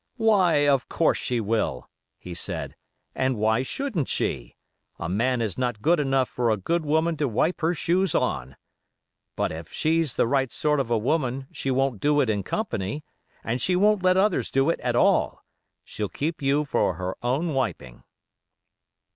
'Why, of course she will,' he said, 'and why shouldn't she? A man is not good enough for a good woman to wipe her shoes on. But if she's the right sort of a woman she won't do it in company, and she won't let others do it at all; she'll keep you for her own wiping.